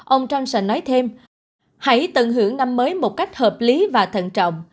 ông johnson nói thêm hãy tận hưởng năm mới một cách hợp lý và thận trọng